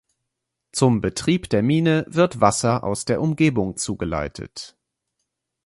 Zum Betrieb der Mine wird Wasser aus der Umgebung zugeleitet.